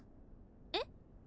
えっ？